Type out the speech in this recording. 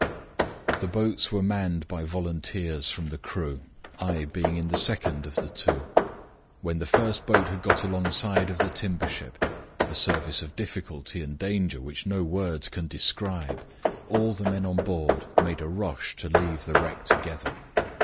"The boats were manned by volunteers from the crew, I being in the second of the two. When the first boat was got alongside of the timber ship a service of difficulty and danger which no words can describe all the men on board made a rush to leave the wreck together.